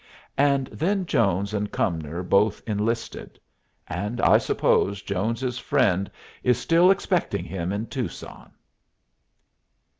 And then Jones and Cumnor both enlisted; and I suppose Jones's friend is still expecting him in Tucson.